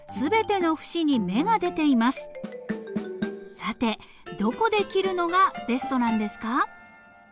さてどこで切るのがベストなんですか？